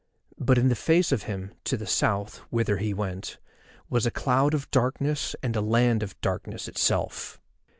But in face of him, to the South, whither he went, was a cloud of darkness and a land of darkness itself.